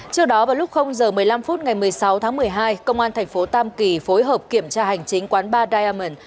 trước đó vào lúc giờ một mươi năm phút ngày một mươi sáu tháng một mươi hai công an thành phố tam kỳ phối hợp kiểm tra hành chính quán ba diamon